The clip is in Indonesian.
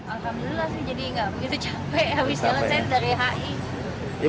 alhamdulillah sih jadi nggak begitu capek habis jalan saya dari hi